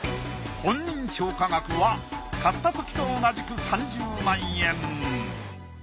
本人評価額は買ったときと同じく３０万円。